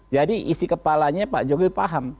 jadi isi kepalanya pak jokowi paham